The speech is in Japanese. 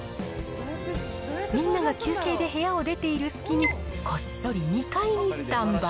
みんなが休憩で部屋を出ている隙に、こっそり２階にスタンバイ。